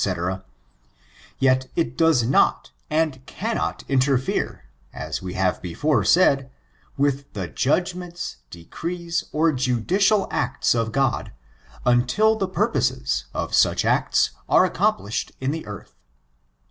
J yet it does not, and eannoi interfere, as we have before said, with the judgfneniSj decrees^ or judicial acts of God, until the purposes of such acts are ao^ compiished in the earth.